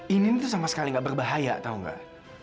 ini tuh sama sekali nggak berbahaya tau nggak